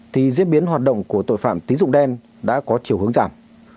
thì diễn biến hoạt động của tội phạm tiến dụng đèn đã có chiều hướng giảm